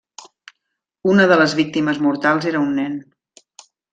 Una de les víctimes mortals era un nen.